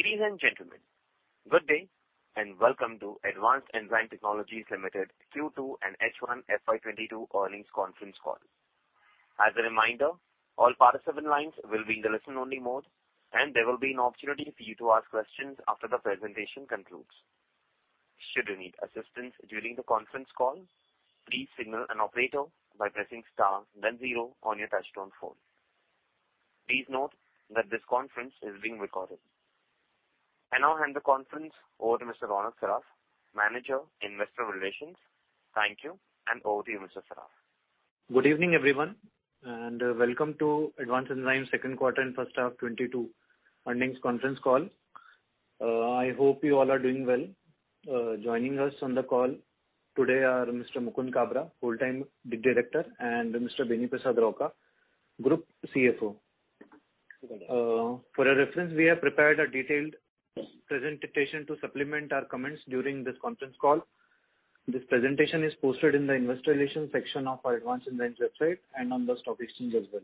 Ladies and gentlemen, good day and welcome to Advanced Enzyme Technologies Limited Q2 and H1 FY 2022 earnings conference call. As a reminder, all participant lines will be in the listen-only mode, and there will be an opportunity for you to ask questions after the presentation concludes. Should you need assistance during the conference call, please signal an operator by pressing star then zero on your touchtone phone. Please note that this conference is being recorded. I now hand the conference over to Mr. Ronak Saraf, Manager, Investor Relations. Thank you, and over to you, Mr. Saraf. Good evening, everyone, and welcome to Advanced Enzymes second quarter and first half 2022 earnings conference call. I hope you all are doing well. Joining us on the call today are Mr. Mukund Kabra, Whole-Time Director, and Mr. Beni Prasad Rauka, Group CFO. For your reference, we have prepared a detailed presentation to supplement our comments during this conference call. This presentation is posted in the investor relations section of our Advanced Enzymes website and on the stock exchange as well.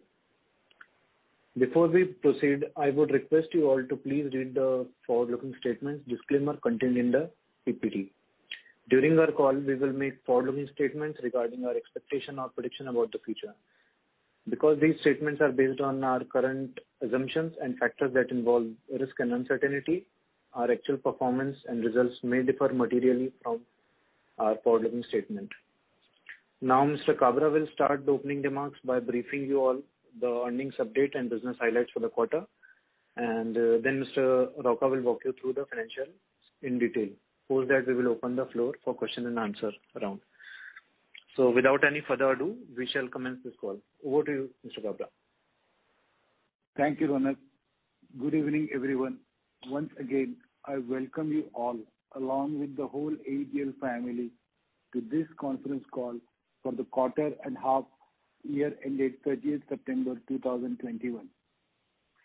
Before we proceed, I would request you all to please read the forward-looking statements disclaimer contained in the PPT. During our call, we will make forward-looking statements regarding our expectation or prediction about the future. Because these statements are based on our current assumptions and factors that involve risk and uncertainty, our actual performance and results may differ materially from our forward-looking statement. Now Mr. Kabra will start the opening remarks by briefing you all the earnings update and business highlights for the quarter. Mr. Rauka will walk you through the financials in detail. Post that, we will open the floor for question and answer round. Without any further ado, we shall commence this call. Over to you, Mr. Kabra. Thank you, Ronak. Good evening, everyone. Once again, I welcome you all along with the whole AETL family to this conference call for the quarter and half year ended 30th September 2021.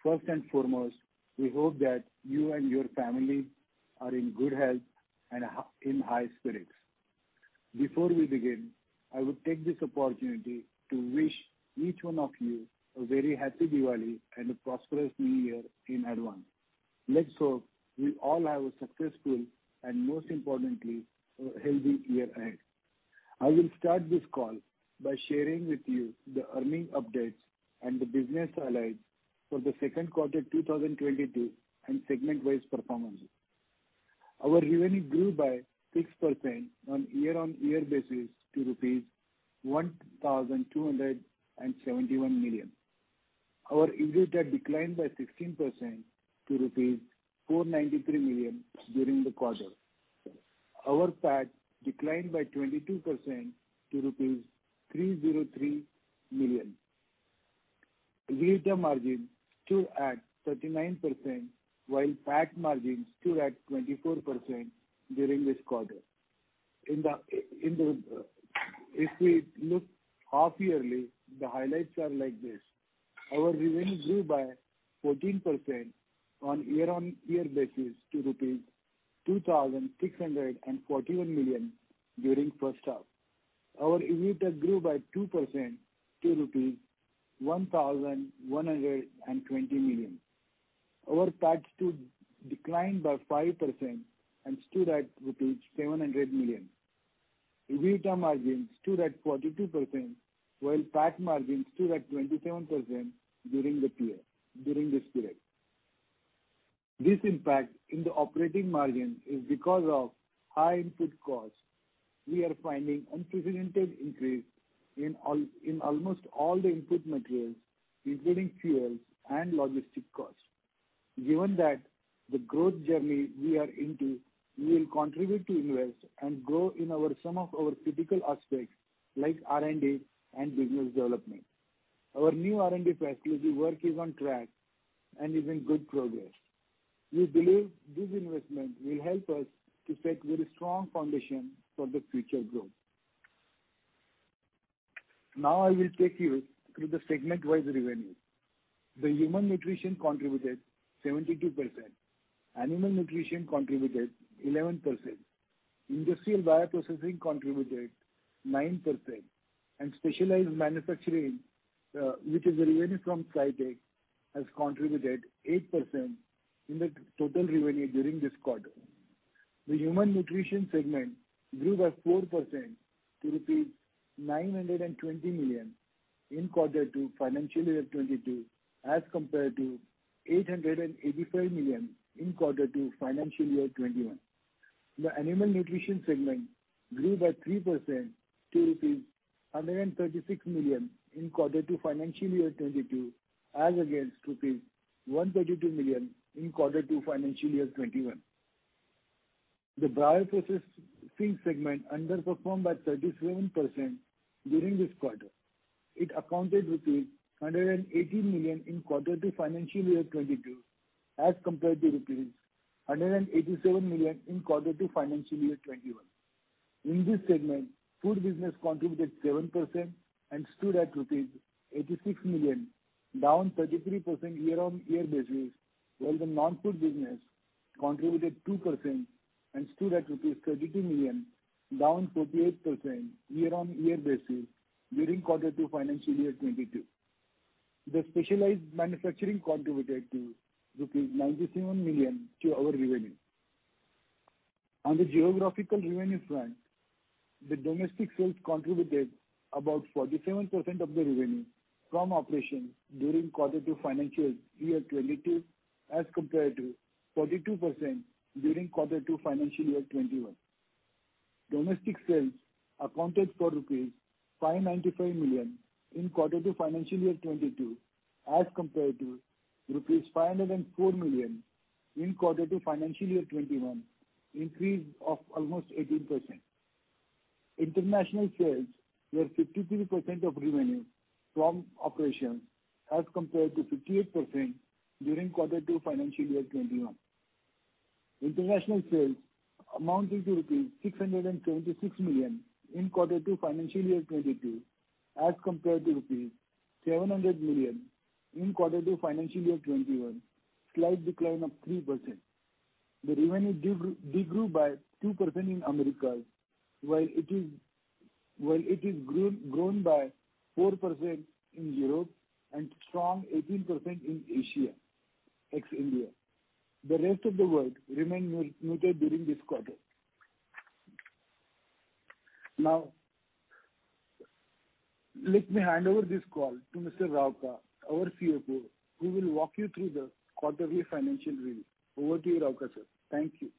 First and foremost, we hope that you and your family are in good health and in high spirits. Before we begin, I would take this opportunity to wish each one of you a very happy Diwali and a prosperous new year in advance. Let's hope we all have a successful and most importantly, a healthy year ahead. I will start this call by sharing with you the earnings updates and the business highlights for the second quarter 2022 and segment-wise performances. Our revenue grew by 6% on year-over-year basis to rupees 1,271 million. Our EBITDA declined by 16% to rupees 493 million during the quarter. Our PAT declined by 22% to rupees 303 million. EBITDA margin stood at 39% while PAT margin stood at 24% during this quarter. If we look half-yearly, the highlights are like this: Our revenue grew by 14% on year-on-year basis to rupees 2,641 million during first half. Our EBITDA grew by 2% to rupees 1,120 million. Our PAT declined by 5% and stood at rupees 700 million. EBITDA margin stood at 42% while PAT margin stood at 27% during this period. This impact in the operating margin is because of high input costs. We are finding unprecedented increase in almost all the input materials, including fuels and logistics costs. Given that the growth journey we are into will continue to invest and grow in some of our critical aspects like R&D and business development. Our new R&D facility work is on track and is in good progress. We believe this investment will help us to set very strong foundation for the future growth. Now I will take you through the segment-wise revenue. Human Nutrition contributed 72%, Animal Nutrition contributed 11%, Industrial Bio-Processing contributed 9%, and Specialized Manufacturing, which is revenue from SciTech, has contributed 8% in the total revenue during this quarter. Human Nutrition segment grew by 4% to rupees 920 million in quarter two financial year 2022 as compared to 885 million in quarter two financial year 2021. The Animal Nutrition segment grew by 3% to 136 million in quarter two financial year 2022 as against 132 million in quarter two financial year 2021. The Industrial Bio-Processing segment underperformed by 37% during this quarter. It accounted for 118 million in quarter two financial year 2022 as compared to rupees 187 million in quarter two financial year 2021. In this segment, food business contributed 7% and stood at rupees 86 million, down 33% year-over-year basis, while the non-food business contributed 2% and stood at rupees 32 million, down 48% year-over-year basis during quarter two financial year 2022. The Specialized Manufacturing contributed rupees 97 million to our revenue. On the geographical revenue front, the domestic sales contributed about 47% of the revenue from operations during quarter two FY 2022, as compared to 42% during quarter two FY 2021. Domestic sales accounted for rupees 595 million in quarter two FY 2022, as compared to rupees 504 million in quarter two FY 2021, increase of almost 18%. International sales were 53% of revenue from operations as compared to 58% during quarter two FY 2021. International sales amounted to rupees 676 million in quarter two FY 2022, as compared to rupees 700 million in quarter two FY 2021, slight decline of 3%. The revenue de-grew by 2% in Americas, while it grew by 4% in Europe and strong 18% in Asia, ex India. The rest of the world remained muted during this quarter. Now, let me hand over this call to Mr. Rauka, our CFO, who will walk you through the quarterly financial review. Over to you, Rauka sir. Thank you.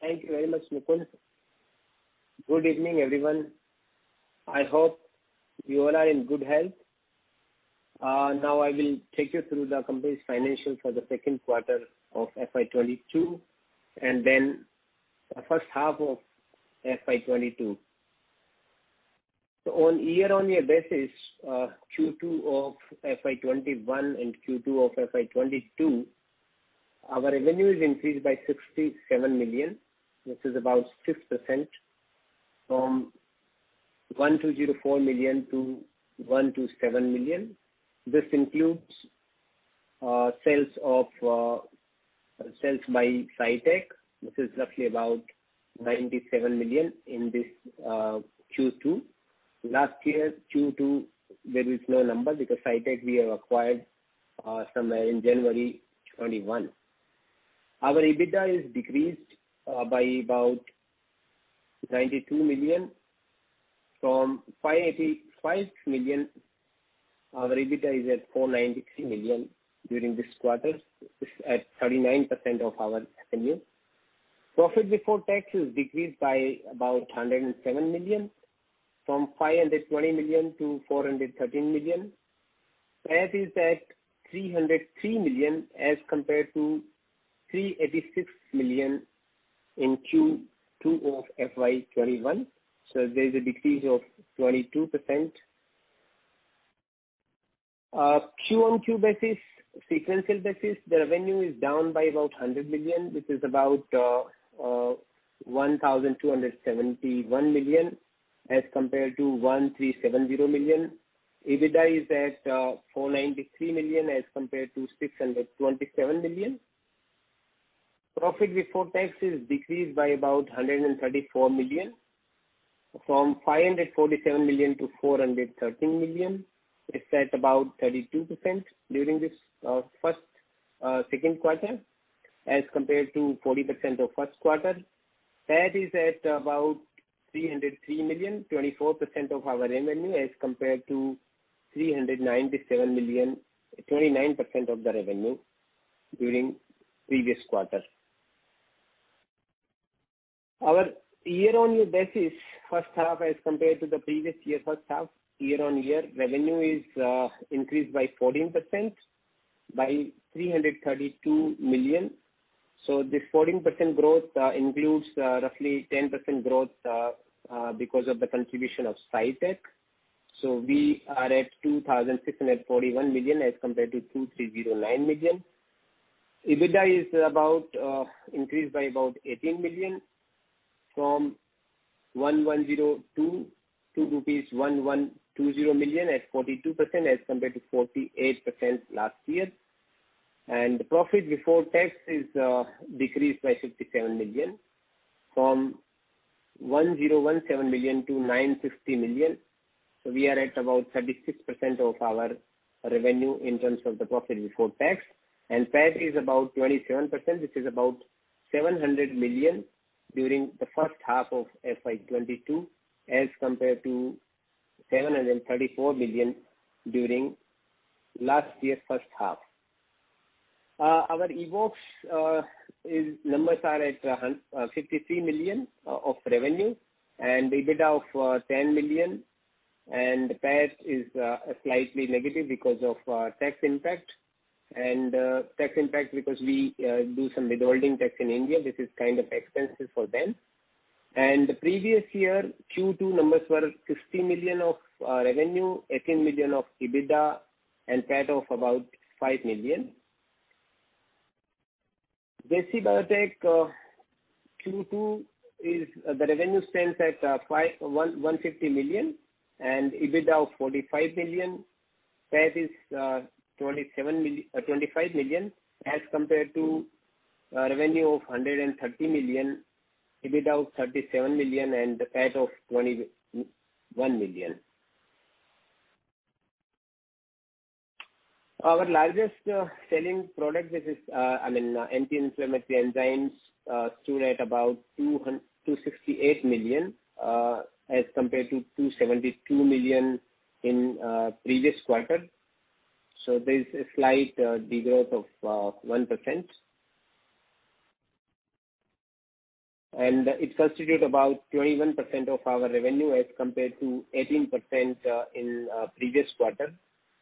Thank you very much, Mukund. Good evening, everyone. I hope you all are in good health. Now I will take you through the company's financials for the second quarter of FY 2022 and then the first half of FY 2022. On year-on-year basis, Q2 of FY 2021 and Q2 of FY 2022, our revenue is increased by 67 million, which is about 6% from 104 million-107 million. This includes sales of sales by SciTech, which is roughly about 97 million in this Q2. Last year's Q2, there is no number because SciTech we have acquired somewhere in January 2021. Our EBITDA is decreased by about 92 million from 585 million. Our EBITDA is at 493 million during this quarter, which is at 39% of our revenue. Profit before tax is decreased by about 107 million from 520 million to 413 million. PAT is at 303 million as compared to 386 million in Q2 of FY 2021, so there's a decrease of 22%. Q-on-Q basis, sequential basis, the revenue is down by about 100 million, which is about 1,271 million as compared to 1,370 million. EBITDA is at 493 million as compared to 627 million. Profit before tax is decreased by about 134 million from 547 million-413 million. It's at about 32% during this, first, second quarter as compared to 40% of first quarter. PAT is at about 303 million, 24% of our revenue, as compared to 397 million, 29% of the revenue during previous quarter. Our year-on-year basis, first half as compared to the previous year first half, year-on-year revenue is increased by 14% by 332 million. This 14% growth includes roughly 10% growth because of the contribution of SciTech. We are at 2,641 million as compared to 2,309 million. EBITDA is about increased by about 18 million from 1,102 million-1,120 million rupees at 42% as compared to 48% last year. Profit before tax is decreased by 67 million from 1,017 million-950 million. We are at about 36% of our revenue in terms of the profit before tax. PAT is about 27%, which is about 700 million during the first half of FY 2022, as compared to 734 million during last year's first half. Our evoxx's numbers are at 53 million of revenue and EBITDA of 10 million. PAT is slightly negative because of tax impact, and tax impact because we do some withholding tax in India. This is kind of expensive for them. The previous year Q2 numbers were 60 million of revenue, 18 million of EBITDA and PAT of about 5 million. JC Biotech Q2 revenue stands at 150 million and EBITDA of 45 million. PAT is 25 million as compared to a revenue of 130 million, EBITDA of 37 million and the PAT of 21 million. Our largest selling product, which is I mean, anti-inflammatory enzymes, stood at about 268 million as compared to 272 million in previous quarter. There is a slight de-growth of 1%. It constitute about 21% of our revenue as compared to 18% in previous quarter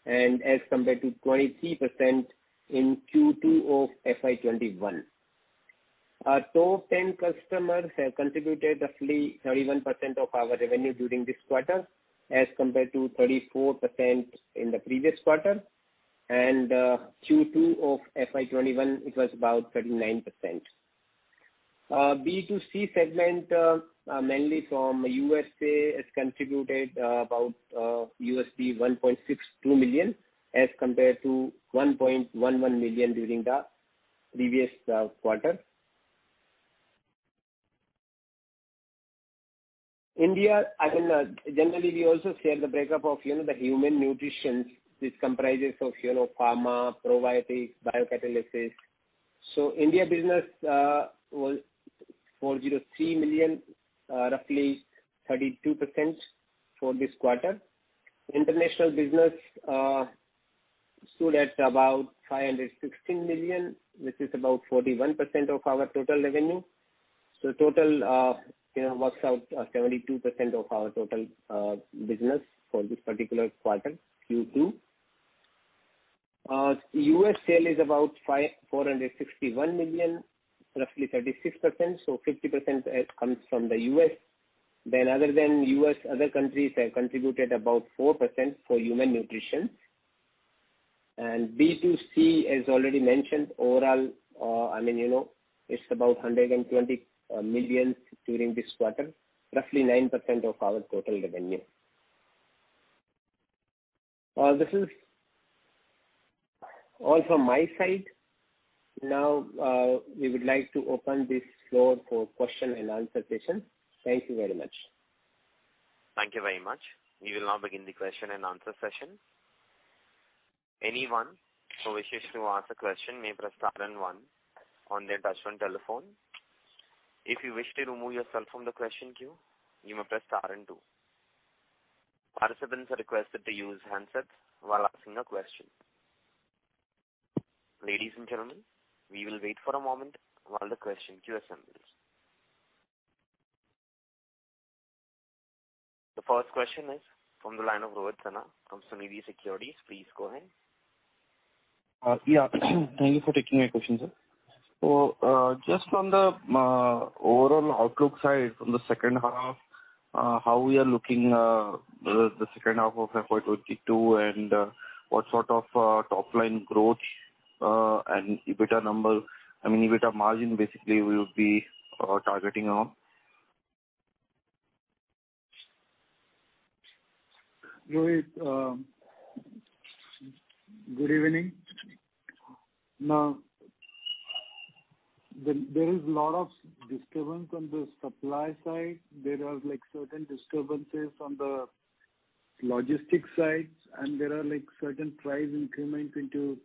and as compared to 23% in Q2 of FY 2021. Our top 10 customers have contributed roughly 31% of our revenue during this quarter, as compared to 34% in the previous quarter. Q2 of FY 2021, it was about 39%. B2C segment mainly from U.S. has contributed about $1.62 million as compared to $1.11 million during the previous quarter. India, I mean, generally we also share the breakup of, you know, the Human Nutrition which comprises of, you know, pharma, probiotics, biocatalysis. India business was 403 million, roughly 32% for this quarter. International business stood at about 516 million, which is about 41% of our total revenue. Total works out 72% of our total business for this particular quarter, Q2. U.S. sale is about 461 million, roughly 36%. 50% comes from the U.S. Other than U.S., other countries have contributed about 4% for Human Nutrition. B2C, as already mentioned, overall, I mean, you know, it's about 120 million during this quarter, roughly 9% of our total revenue. This is all from my side. Now, we would like to open this floor for question and answer session. Thank you very much. Thank you very much. We will now begin the question and answer session. Anyone who wishes to ask a question may press star and one on their touchtone telephone. If you wish to remove yourself from the question queue, you may press star and two. Participants are requested to use handsets while asking a question. Ladies and gentlemen, we will wait for a moment while the question queue assembles. The first question is from the line of Rohit Sinha from Sunidhi Securities. Please go ahead. Thank you for taking my question, sir. Just on the overall outlook side from the second half, how we are looking at the second half of FY 2022 and what sort of top line growth and EBITDA number, I mean, EBITDA margin basically we would be targeting on. Rohit, good evening. Now, there is lot of disturbance on the supply side. There are like certain disturbances on the logistics sides, and there are like certain price increments into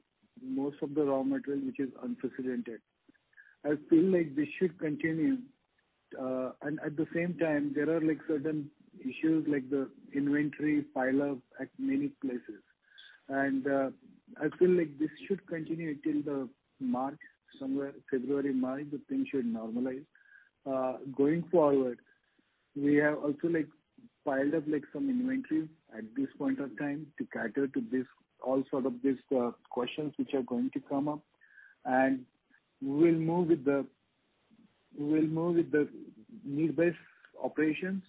most of the raw material, which is unprecedented. I feel like this should continue. At the same time, there are like certain issues like the inventory pile up at many places. I feel like this should continue till March, somewhere February, March, the things should normalize. Going forward, we have also like piled up like some inventory at this point of time to cater to this, all sort of this questions which are going to come up. We'll move with the need-based operations,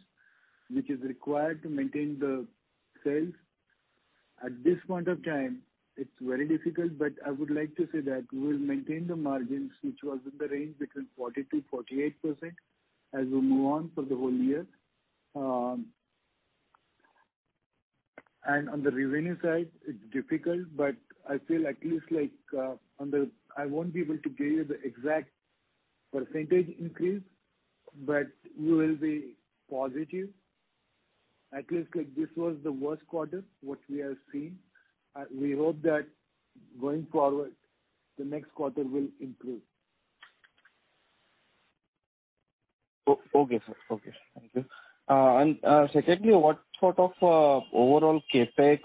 which is required to maintain the sales. At this point of time, it's very difficult, but I would like to say that we'll maintain the margins, which was in the range between 40%-48% as we move on for the whole year. On the revenue side, it's difficult, but I feel at least like, I won't be able to give you the exact percentage increase, but we will be positive. At least like this was the worst quarter that we have seen. We hope that going forward, the next quarter will improve. Okay, sir. Okay. Thank you. Secondly, what sort of overall CapEx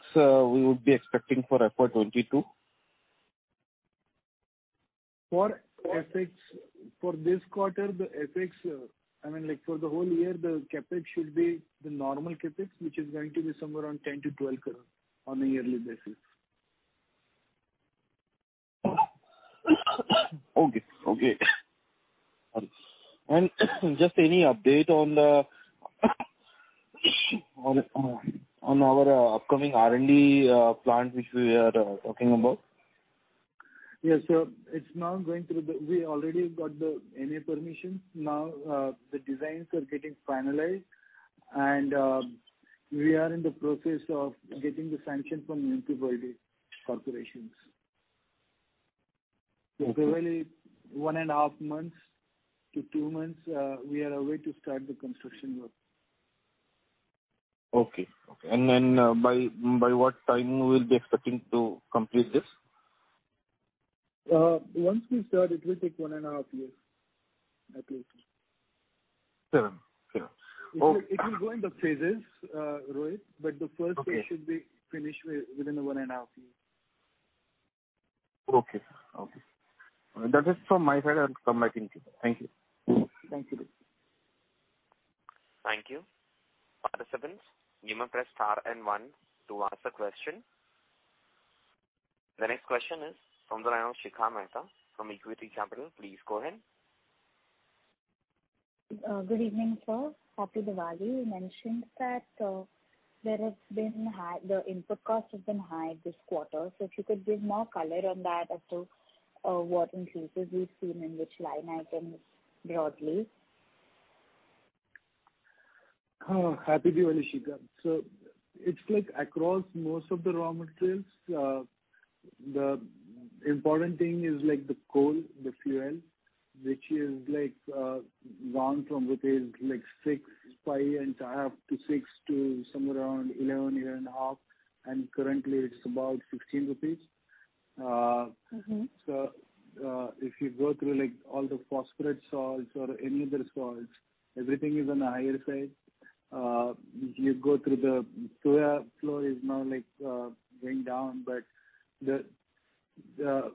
we would be expecting for FY 2022? For CapEx, for the whole year the CapEx should be the normal CapEx, which is going to be somewhere around 10 crore-12 crore on a yearly basis. Okay. Just any update on our upcoming R&D plant which we are talking about? Yes, sir. We already got the N.A permission. Now, the designs are getting finalized and we are in the process of getting the sanction from multiple corporations. Okay. Probably 1.5 months-2 months, we are away to start the construction work. Okay. By what time we'll be expecting to complete this? Once we start, it will take one and a half years at least. Fair enough. Oh It will go in the phases, Rohit. Okay. The first phase should be finished within one and a half years. Okay. Okay. That is from my side. I'll come back in queue. Thank you. Thank you, Rohit. Thank you. Participants, you may press star and one to ask a question. The next question is from the line of Shikha Mehta from Equitree Capital. Please go ahead. Good evening, sir. Happy Diwali. You mentioned that the input cost has been high this quarter, so if you could give more color on that as to what increases we've seen in which line items broadly. Happy Diwali, Shikha. It's like across most of the raw materials. The important thing is like the coal, the fuel, which is like, gone from 65.5- 66 to somewhere around 11-11.5, and currently it's about 15 rupees. Mm-hmm. If you go through like all the phosphate salts or any other salts, everything is on the higher side. If you go through the soya flour is now like going down, but the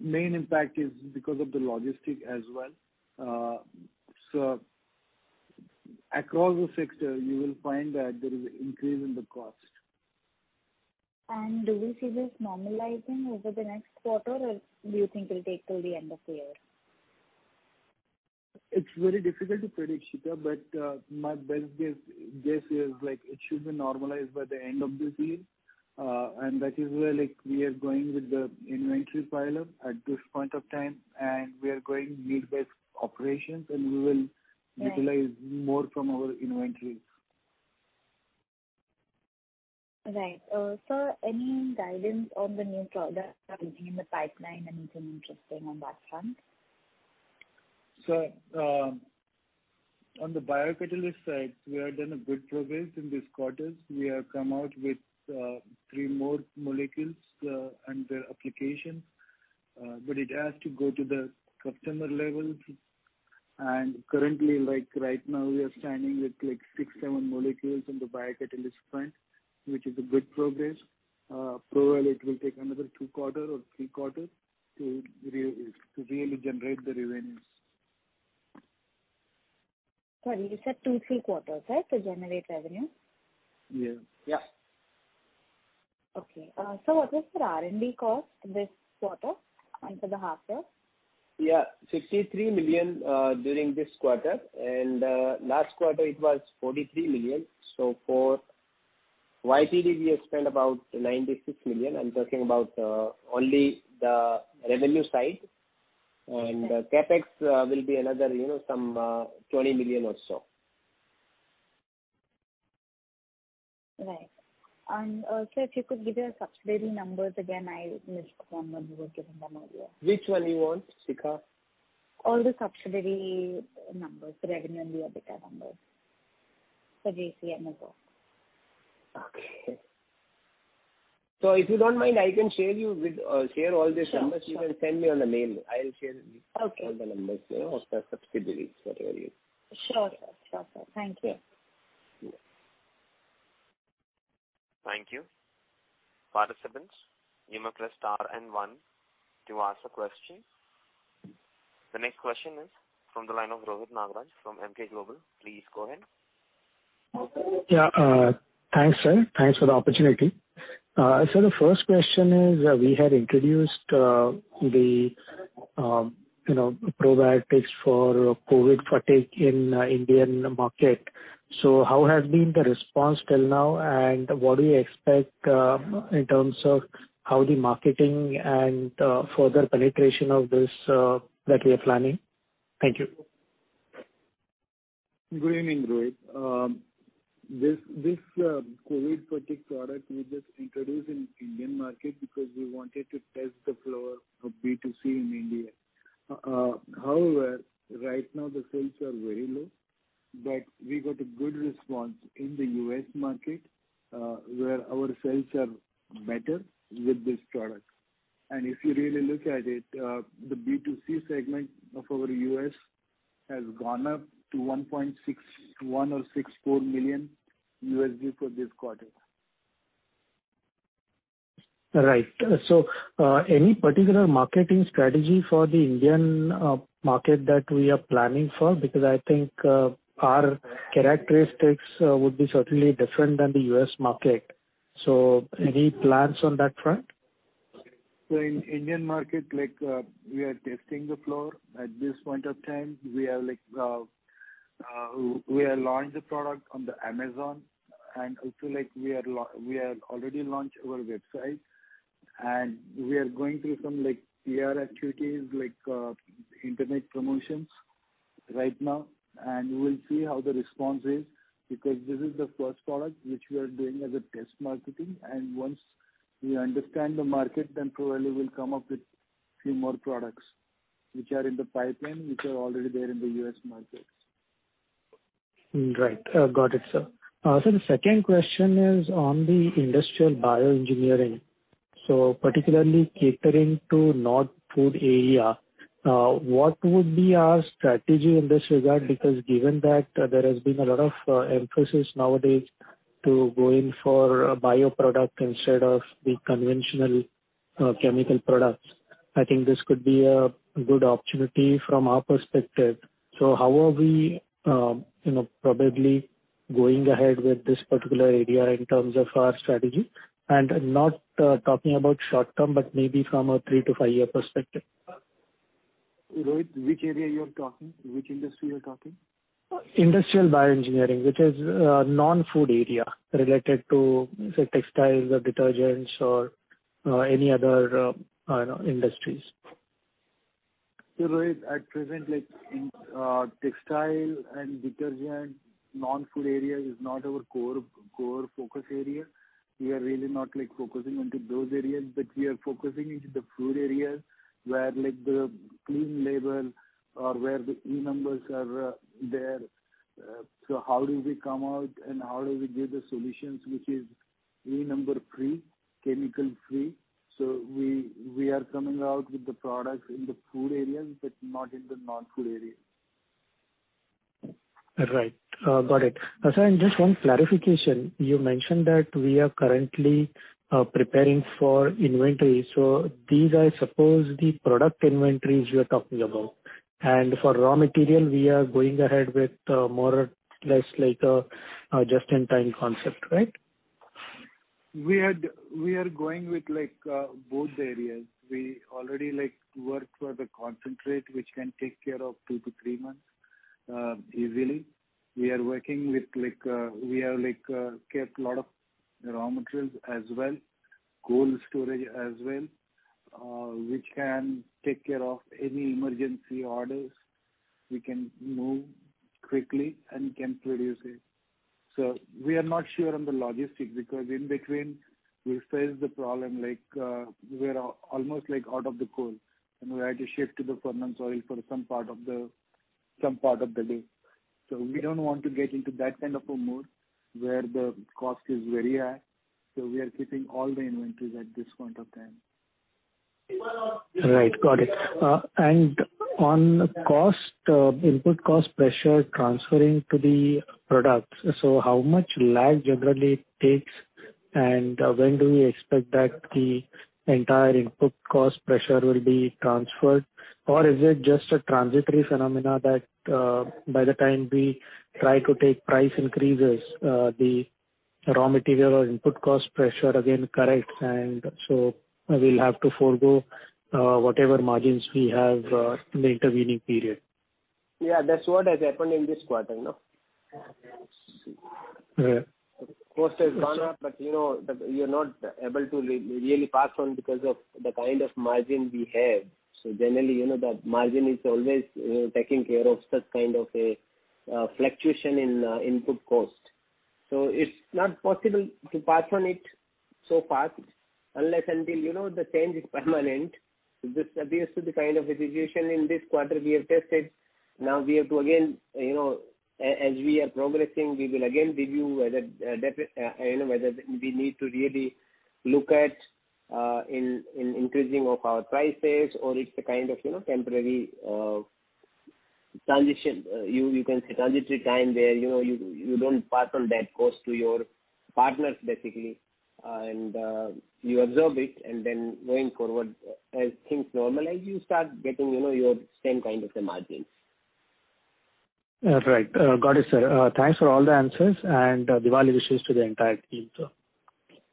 main impact is because of the logistics as well. Across the sector you will find that there is increase in the cost. Do we see this normalizing over the next quarter or do you think it'll take till the end of the year? It's very difficult to predict, Shikha, but my best guess is like it should be normalized by the end of this year. That is where like we are going with the inventory pile-up at this point of time, and we are going need-based operations and we will... Right. ...utilize more from our inventories. Right. Sir, any guidance on the new products that will be in the pipeline? Anything interesting on that front? On the biocatalyst side, we have done a good progress in this quarters. We have come out with three more molecules and their applications, but it has to go to the customer level. Currently, like right now we are standing with like six, seven molecules on the biocatalyst front, which is a good progress. Probably it will take another two quarter or three quarters to really generate the revenues. Sorry, you said two-three quarters, right, to generate revenue? Yeah. Yeah. Okay. Sir, what was your R&D cost this quarter and for the half year? Yeah. 63 million during this quarter and last quarter it was 43 million. For YTD we have spent about 96 million. I'm talking about only the revenue side. Okay. CapEx will be another, you know, some 20 million or so. Right. Sir, if you could give your subsidiary numbers again, I missed them when you were giving them earlier. Which one you want, Shikha? All the subsidiary numbers, the revenue and the EBITDA numbers for JC Biotech and so on. Okay. If you don't mind, I can share with you all these numbers. Sure, sure. You can send me on the mail. I'll share with you. Okay. All the numbers, you know, of the subsidiaries, whatever you... Sure, sir. Thank you. Yeah. Thank you. Participants, you may press star and one to ask a question. The next question is from the line of Rohit Nagraj from Emkay Global. Please go ahead. Yeah. Thanks, sir. Thanks for the opportunity. The first question is, we had introduced the you know probiotics for COVID fatigue in Indian market. How has been the response till now, and what do you expect in terms of how the marketing and further penetration of this that we are planning? Thank you. Good evening, Rohit. This COVID fatigue product we just introduced in Indian market because we wanted to test the flow of B2C in India. However, right now the sales are very low, but we got a good response in the U.S. market, where our sales are better with this product. If you really look at it, the B2C segment of our U.S. has gone up to $1.61 million-$1.64 million for this quarter. Right. Any particular marketing strategy for the Indian market that we are planning for? Because I think our characteristics would be certainly different than the U.S. market. Any plans on that front? In Indian market, we are testing the floor at this point of time. We have launched the product on Amazon, and we have already launched our website, and we are going through some PR activities, like internet promotions right now. We will see how the response is, because this is the first product which we are doing as a test marketing. Once we understand the market, then probably we'll come up with few more products which are in the pipeline, which are already there in the U.S. markets. Right. Got it, sir. The second question is on the Industrial Bio-Engineering. Particularly catering to non-food area, what would be our strategy in this regard? Because given that there has been a lot of emphasis nowadays to go in for a bioproduct instead of the conventional chemical products, I think this could be a good opportunity from our perspective. How are we, you know, probably going ahead with this particular area in terms of our strategy? I'm not talking about short-term, but maybe from a three-five-year perspective. Rohit, which area you are talking? Which industry you're talking? Industrial Bio-Engineering, which is non-food area related to, say, textiles or detergents or any other, I don't know, industries. Rohit, at present, like in, textile and detergent, non-food area is not our core focus area. We are really not, like, focusing into those areas, but we are focusing into the food areas where like the clean label or where the E numbers are, there. How do we come out and how do we give the solutions which is E number free, chemical free? We are coming out with the products in the food areas but not in the non-food areas. Right. Got it. Sir, just one clarification. You mentioned that we are currently preparing for inventory. These are, I suppose, the product inventories you are talking about. For raw material we are going ahead with more or less like a just-in-time concept, right? We are going with like, both areas. We already like work for the concentrate, which can take care of 2 months-3 months, easily. We are working with like, we have like, kept lot of raw materials as well, cold storage as well, which can take care of any emergency orders. We can move quickly and can produce it. We are not sure on the logistics because in between we face the problem like, we are almost like out of the cold and we had to shift to the palm oil for some part of the day. We don't want to get into that kind of a mode where the cost is very high. We are keeping all the inventories at this point of time. Right. Got it. On cost, input cost pressure transferring to the products. How much lag generally it takes and when do we expect that the entire input cost pressure will be transferred? Is it just a transitory phenomena that, by the time we try to take price increases, the raw material or input cost pressure again corrects and so we'll have to forego, whatever margins we have, in the intervening period. Yeah. That's what has happened in this quarter, no? Right. Cost has gone up, but you know, but you're not able to really pass on because of the kind of margin we have. Generally, you know that margin is always, you know, taking care of such kind of a fluctuation in input cost. It's not possible to pass on it so fast unless until, you know, the change is permanent. This appears to be kind of a situation in this quarter we have tested. Now we have to again, you know, as we are progressing, we will again review whether that you know whether we need to really look at in increasing of our prices or it's a kind of, you know, temporary transition. You can say transitory time where, you know, you don't pass on that cost to your partners basically, and you absorb it. Going forward, as things normalize, you start getting, you know, your same kind of a margin. Right. Got it, sir. Thanks for all the answers and Diwali wishes to the entire team, sir.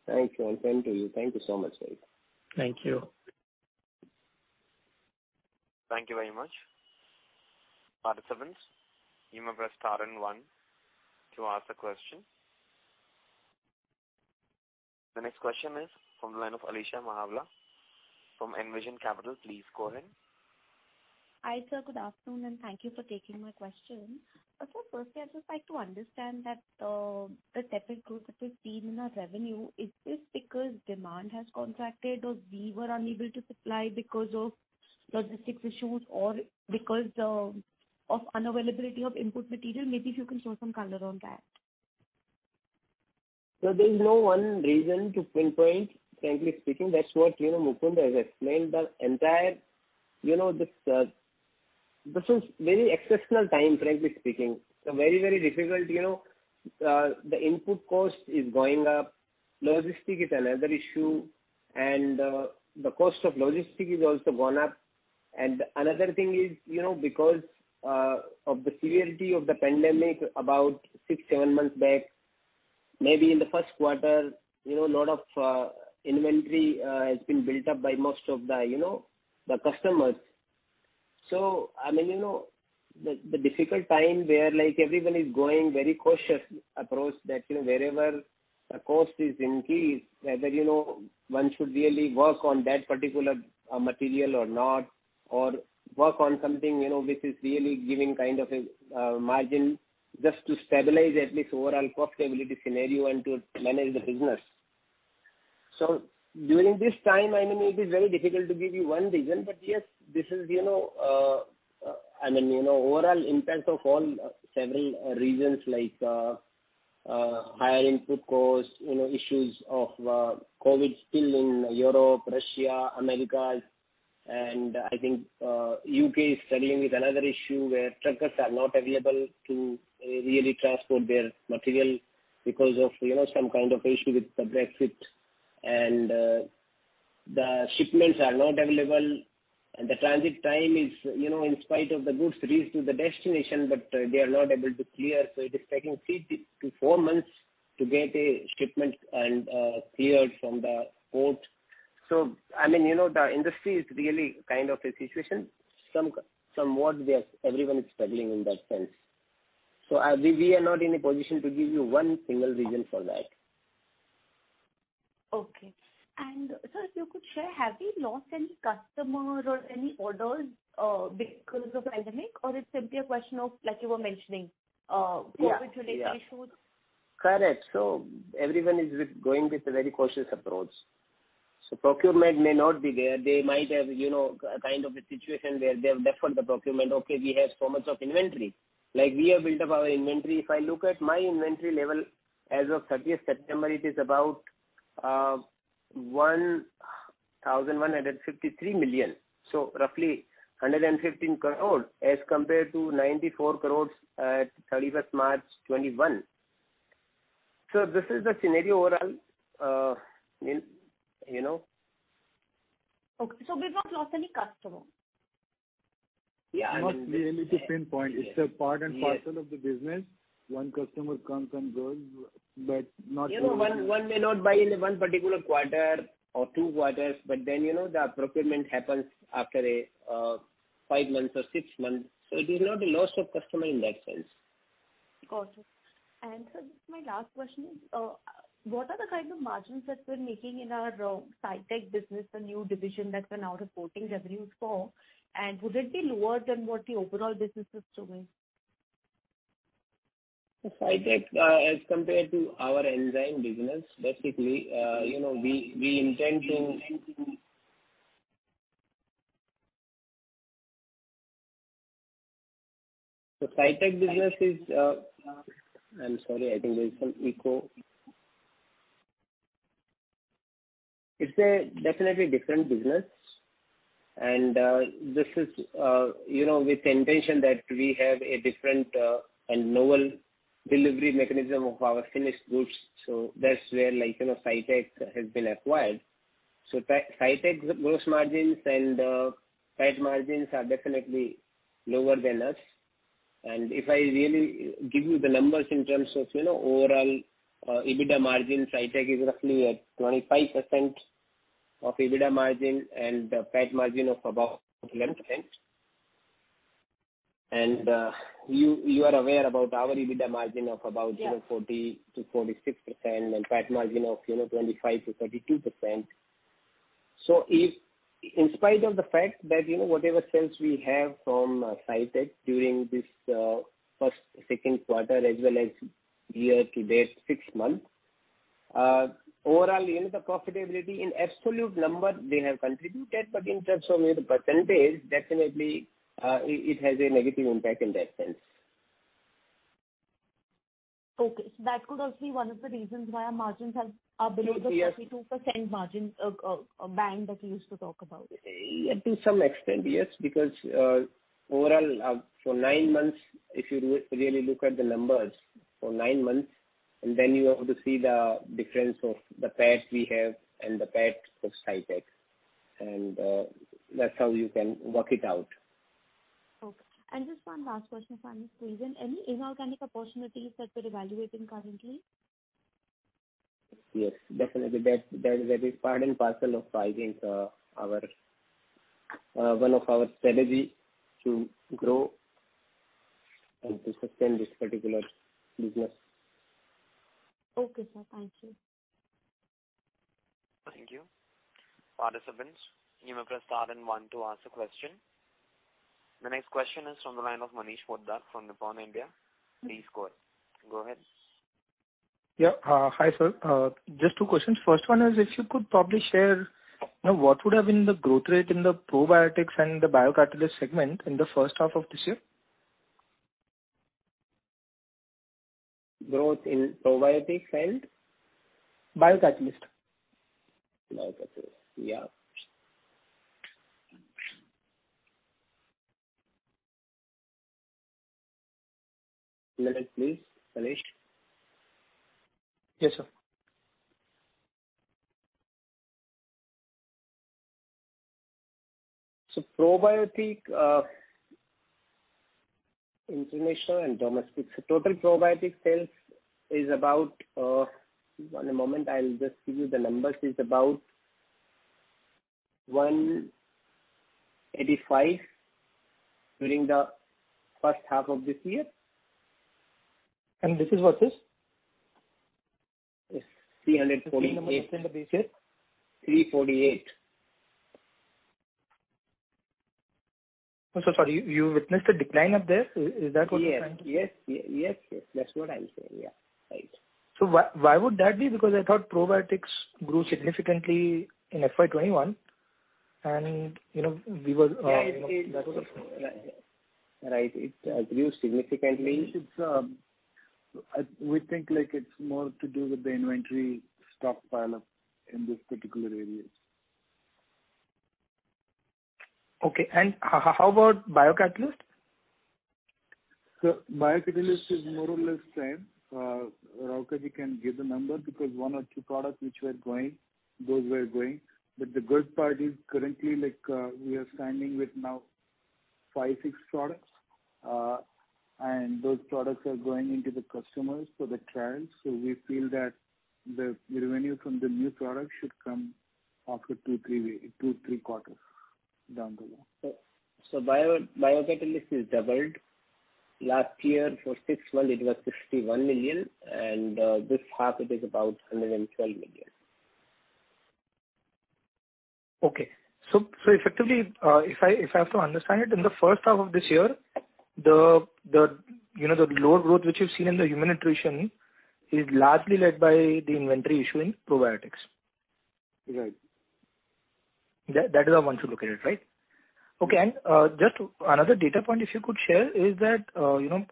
Thank you, and same to you. Thank you so much, Rohit. Thank you. Thank you very much. Participants, you may press star and one to ask a question. The next question is from the line of Alisha Mahawla from Envision Capital. Please go ahead. Hi sir. Good afternoon, and thank you for taking my question. Sir, firstly, I'd just like to understand that, the tepid growth that we've seen in our revenue, is this because demand has contracted or we were unable to supply because of logistics issues or because of unavailability of input material? Maybe if you can shed some color on that. There's no one reason to pinpoint, frankly speaking. That's what, you know, Mukund has explained. The entire, you know, this is very exceptional time, frankly speaking. Very, very difficult, you know. The input cost is going up. Logistics is another issue. The cost of logistics is also gone up. Another thing is, you know, because of the severity of the pandemic about six, seven months back. Maybe in the first quarter, you know, lot of inventory has been built up by most of the, you know, the customers. I mean, you know, the difficult time where, like, everyone is going very cautious approach that, you know, wherever the cost is increased, whether, you know, one should really work on that particular material or not, or work on something, you know, which is really giving kind of a margin just to stabilize at least overall profitability scenario and to manage the business. During this time, I mean, it is very difficult to give you one reason, but yes, this is, you know, I mean, you know, overall impact of all several reasons like higher input costs, you know, issues of COVID still in Europe, Russia, Americas. I think U.K. is struggling with another issue where truckers are not available to really transport their material because of, you know, some kind of issue with the Brexit and the shipments are not available and the transit time is, you know, in spite of the goods reached to the destination, but they are not able to clear, so it is taking 3 months-4 months to get a shipment and cleared from the port. I mean, you know, the industry is really kind of a situation somewhat where everyone is struggling in that sense. We are not in a position to give you one single reason for that. Okay. Sir, if you could share, have you lost any customer or any orders, because of pandemic or it's simply a question of, like you were mentioning... Yeah. ...COVID-related issues? Correct. Everyone is going with a very cautious approach. Procurement may not be there. They might have kind of a situation where they have deferred the procurement. Okay, we have so much of inventory. Like, we have built up our inventory. If I look at my inventory level as of 30th September, it is about 1,153 million. Roughly 115 crore as compared to 94 crore at 31st March 2021. This is the scenario overall in. Okay. We've not lost any customer. Yeah. Not really to pinpoint. It's a part and parcel of the business. One customer comes and goes, but not really. You know, one may not buy in one particular quarter or two quarters, but then, you know, the procurement happens after five months or six months. It is not a loss of customer in that sense. Got you. Sir, this is my last question. What are the kind of margins that we're making in our SciTech business, the new division that we're now reporting revenues for? Would it be lower than what the overall business system is? SciTech, as compared to our enzyme business, basically, you know, we intend to. The SciTech business is. I'm sorry, I think there's some echo. It's definitely a different business, and this is, you know, with intention that we have a different and novel delivery mechanism of our finished goods. So that's where, like, you know, SciTech has been acquired. SciTech gross margins and PAT margins are definitely lower than us. If I really give you the numbers in terms of, you know, overall EBITDA margins, SciTech is roughly at 25% EBITDA margin and a PAT margin of about 11%. You are aware about our EBITDA margin of about, you know- Yes. 40%-46% and PAT margin of, you know, 25%-32%. If in spite of the fact that, you know, whatever sales we have from SciTech during this first and second quarter as well as year to date, six months, overall, you know, the profitability in absolute number they have contributed, but in terms of the percentage, definitely it has a negative impact in that sense. Okay. That could also be one of the reasons why our margins are below the- Yes. 32% margin, band that you used to talk about. To some extent, yes. Because, overall, for nine months, if you really look at the numbers for nine months and then you have to see the difference of the PAT we have and the PAT of SciTech, and that's how you can work it out. Okay. Just one last question, sir. Any inorganic opportunities that we're evaluating currently? Yes, definitely. That is a part and parcel of, I think, one of our strategy to grow and to sustain this particular business. Okay, sir. Thank you. Thank you. Participants, you may press star and one to ask a question. The next question is from the line of Manish Poddar from Nippon India. Please go ahead. Yeah. Hi sir. Just two questions. First one is if you could probably share, you know, what would have been the growth rate in the probiotics and the biocatalyst segment in the first half of this year. Growth in probiotics and? Biocatalyst. Biocatalyst. Yeah. Let it please, Manish. Yes, sir. Probiotic, international and domestic. Total probiotic sales is about, one moment, I'll just give you the numbers, 185 million during the first half of this year. This is what, sir? It's INR 348 million. I'm so sorry. You witnessed a decline up there. Is that what you're trying to- Yes. That's what I'm saying. Yeah. Right. Why would that be? Because I thought probiotics grew significantly in FY 2021 and, you know, we were, you know Right. It grew significantly. It's, we think, like it's more to do with the inventory stock buildup in this particular areas. Okay. How about biocatalyst? Sir, biocatalyst is more or less same. Rauka ji can give the number because one or two products which were going, those were going. The good part is currently like, we are signing with now five, six products. Those products are going into the customers for the trials. We feel that the revenue from the new product should come after two, three quarters down the line. Biocatalyst is doubled. Last year for six months it was 51 million and this half it is about 112 million. Effectively, if I have to understand it, in the first half of this year, you know, the lower growth which you've seen in the Human Nutrition is largely led by the inventory issue in probiotics. Right. That is how I want to look at it, right? Okay. Just another data point if you could share is that, you know,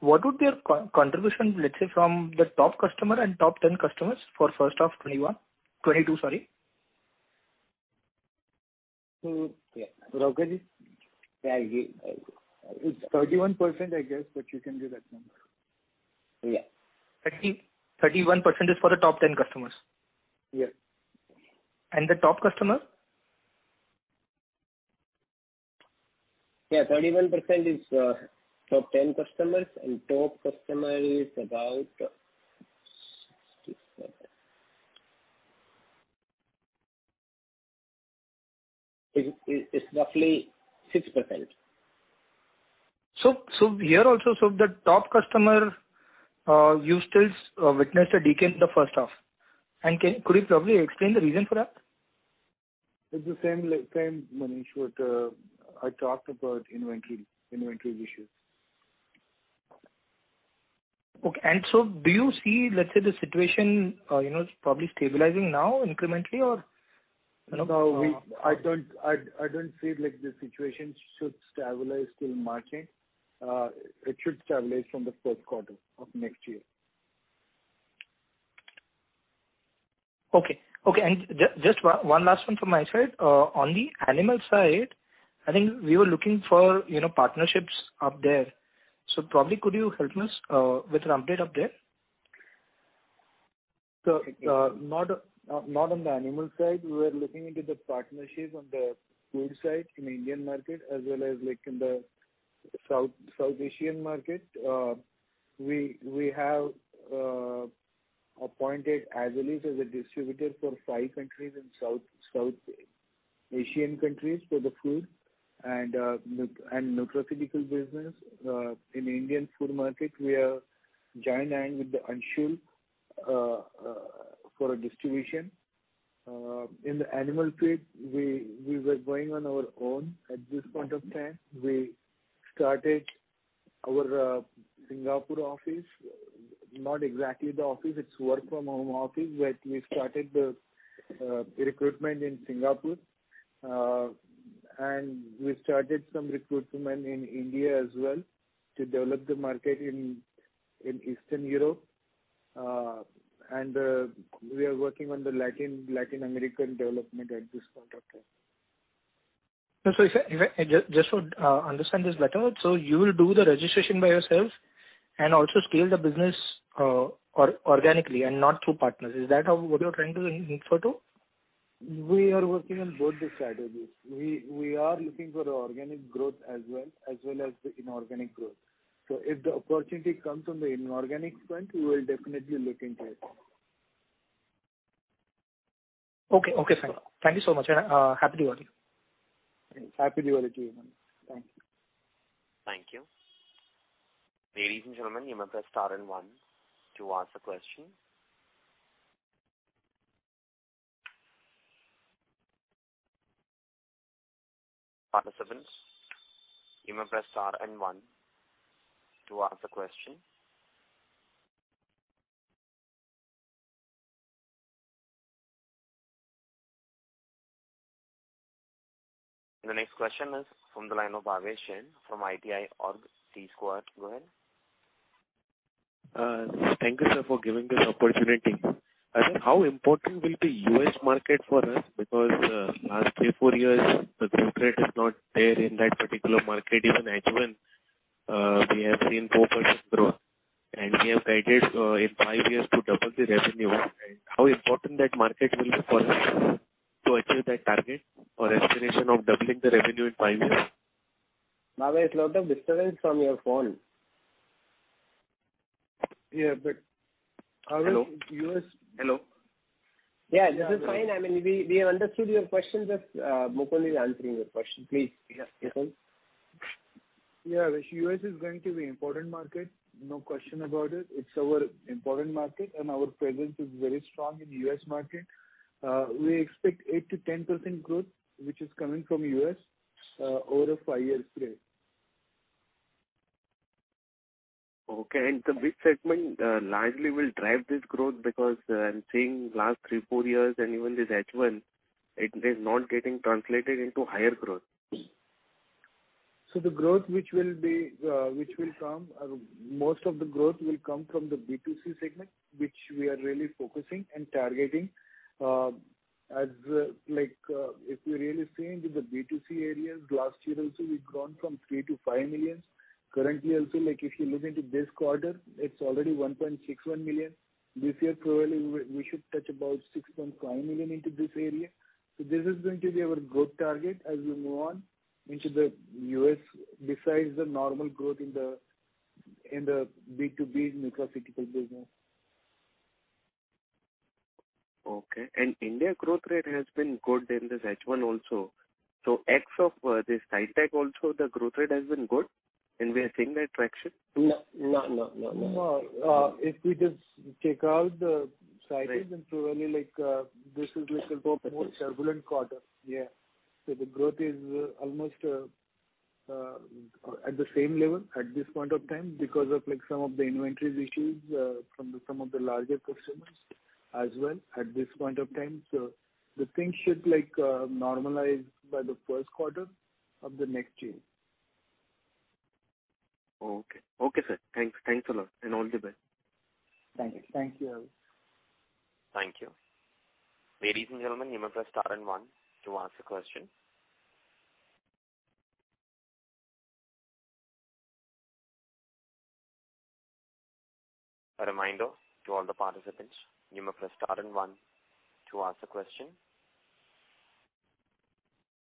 what would be a contribution, let's say, from the top customer and top 10 customers for first half 2022, sorry. Yeah. Rauka ji. Yeah, I'll give. I'll go. It's 31%, I guess. You can give that number. Yeah. 31% is for the top 10 customers. Yes. The top customer? Yeah. 31% is top 10 customers, and top customer is about 6.7%. It's roughly 6%. Here also, the top customer you still witnessed a decline in the first half. Could you probably explain the reason for that? It's the same, like, same Manish I talked about inventory issues. Do you see, let's say, the situation probably stabilizing now incrementally or, you know- No, I don't feel like the situation should stabilize till March end. It should stabilize from the third quarter of next year. Okay. Just one last one from my side. On the animal side, I think we were looking for, you know, partnerships up there. Probably could you help us with an update up there? Not on the animal side. We were looking into the partnerships on the food side in Indian market as well as like in the South Asian market. We have appointed Azelis as a distributor for five countries in South Asian countries for the food and nutraceutical business. In Indian food market, we are joining with the Anshul for a distribution. In the animal feed, we were going on our own at this point of time. We started our Singapore office. Not exactly the office, it's work from home office, but we started the recruitment in Singapore. We started some recruitment in India as well to develop the market in Eastern Europe. We are working on the Latin American development at this point of time. Just to understand this better, so you will do the registration by yourself and also scale the business organically and not through partners. Is that what you're trying to aim for? We are working on both the strategies. We are looking for organic growth as well as the inorganic growth. If the opportunity comes from the inorganic front, we will definitely look into it. Okay. Thank you so much. Happy Diwali. Happy Diwali to you, Manish. Thank you. Thank you. The next question is from the line of Bhavesh Jain from ITI. Go ahead. Thank you, sir, for giving this opportunity. I said, how important will be U.S. market for us? Because last three-four years, the growth rate is not there in that particular market even as we have seen 4% growth, and we have guided in five years to double the revenue. How important that market will be for us to achieve that target or aspiration of doubling the revenue in five years. Bhavesh, lot of disturbance from your phone. Yeah, but- Hello. How is U.S.? Hello. Yeah, this is fine. I mean, we have understood your question. Just, Mukund is answering your question. Please. Yeah. Yeah, U.S. is going to be important market, no question about it. It's our important market, and our presence is very strong in U.S. market. We expect 8%-10% growth, which is coming from U.S., over a five-year spread. Okay. Which segment largely will drive this growth? Because I'm seeing last three, four years and even this H1, it is not getting translated into higher growth. Most of the growth will come from the B2C segment, which we are really focusing and targeting. Like, if we're really seeing the B2C areas, last year also we've grown from $3 million-$5 million. Currently also, like, if you look into this quarter, it's already $1.61 million. This year probably we should touch about $6.5 million into this area. This is going to be our growth target as we move on into the U.S., besides the normal growth in the B2B nutraceutical business. Okay. India growth rate has been good in this H1 also. This SciTech also, the growth rate has been good, and we are seeing that traction? No. No, if we just take out the SciTech... Right. ...probably, like, this is like a more turbulent quarter. Yeah. The growth is, almost, at the same level at this point of time because of, like, some of the inventories issues, from some of the larger customers as well at this point of time. The things should, like, normalize by the first quarter of the next year. Okay, sir. Thanks a lot, and all the best. Thank you. Thank you.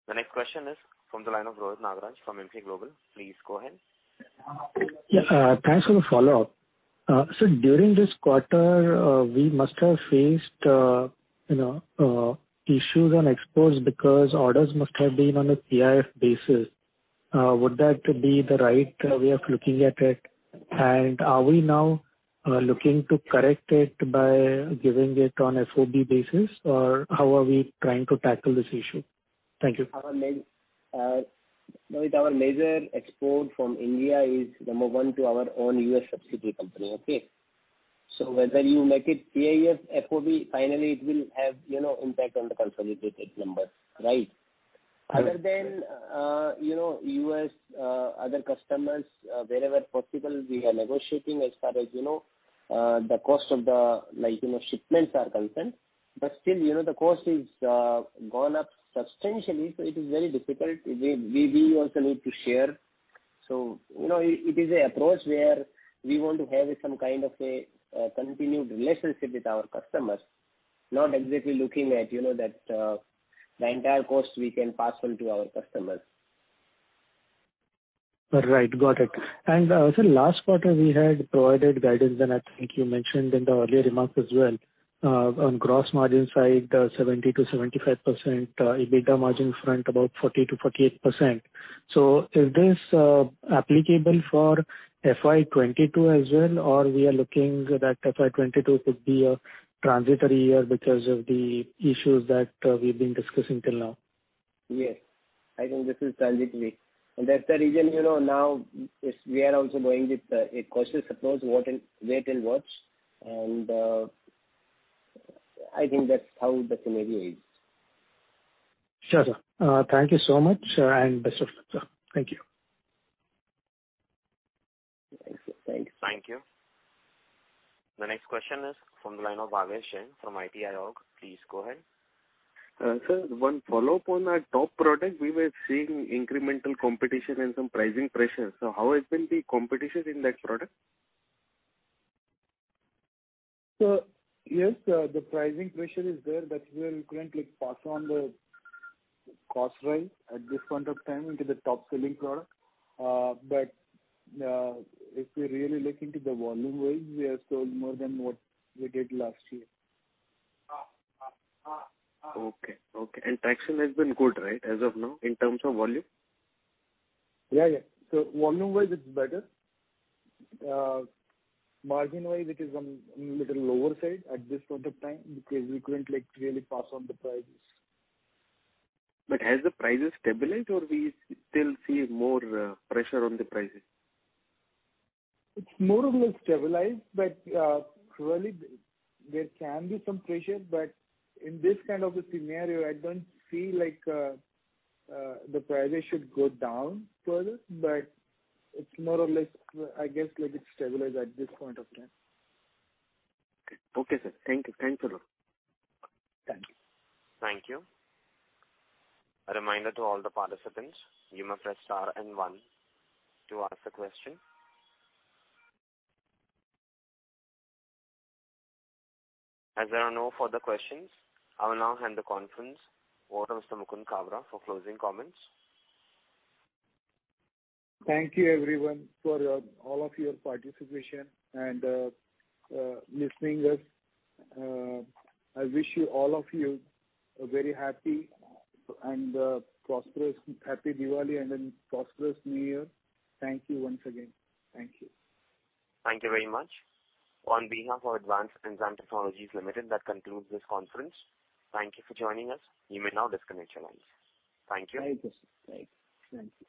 The next question is from the line of Rohit Nagraj from Emkay Global. Please go ahead. Yeah, thanks for the follow-up. So during this quarter, we must have faced, you know, issues on exports because orders must have been on a CIF basis. Would that be the right way of looking at it? Are we now looking to correct it by giving it on FOB basis, or how are we trying to tackle this issue? Thank you. Rohit, our major export from India is number one to our own U.S. subsidiary company. Okay? Whether you make it CIF, FOB, finally it will have, you know, impact on the consolidated numbers, right? Right. Other than, you know, U.S., other customers, wherever possible, we are negotiating as far as, you know, the cost of the, like, you know, shipments are concerned. Still, you know, the cost is gone up substantially, so it is very difficult. We also need to share. You know, it is an approach where we want to have some kind of a continued relationship with our customers, not exactly looking at, you know, that the entire cost we can pass on to our customers. Right. Got it. Sir, last quarter we had provided guidance, and I think you mentioned in the earlier remarks as well, on gross margin side, 70%-75%, EBITDA margin front, about 40%-48%. Is this applicable for FY 2022 as well, or we are looking that FY 2022 could be a transitory year because of the issues that we've been discussing till now? Yes. I think this is transitory. That's the reason, you know, now we are also going with a cautious approach, wait and watch, and I think that's how the scenario is. Sure, sir. Thank you so much, and best of luck, sir. Thank you. Thanks. Thank you. The next question is from the line of Bhavesh Jain from ITI Org. Please go ahead. Sir, one follow-up on our top product. We were seeing incremental competition and some pricing pressure. How has been the competition in that product? Yes, the pricing pressure is there, that we are currently passing on the cost rise at this point of time into the top-selling product. If we really look into the volume-wise, we have sold more than what we did last year. Okay. Traction has been good, right, as of now in terms of volume? Yeah, yeah. Volume-wise, it's better. Margin-wise, it is on a little lower side at this point of time because we couldn't, like, really pass on the prices. Has the prices stabilized, or we still see more pressure on the prices? It's more or less stabilized, but probably there can be some pressure. In this kind of a scenario, I don't feel like the prices should go down further. It's more or less, I guess, like it's stabilized at this point of time. Okay, sir. Thank you. Thanks a lot. Thank you. Thank you. A reminder to all the participants, you may press star and one to ask a question. As there are no further questions, I will now hand the conference over to Mr. Mukund Kabra for closing comments. Thank you everyone for all of your participation and listening to us. I wish you all of you a very happy Diwali and prosperous new year. Thank you once again. Thank you. Thank you very much. On behalf of Advanced Enzyme Technologies Limited, that concludes this conference. Thank you for joining us. You may now disconnect your lines. Thank you. Thank you. Thank you.